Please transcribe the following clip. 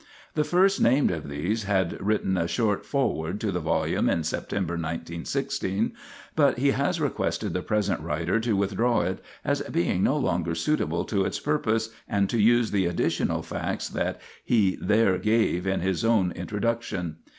The first named of these had written a short "Foreword" to the volume in September 1916, but he has requested the present writer to withdraw it as being no longer suitable to its purpose, and to use the additional facts that he there gave in his own Introduction.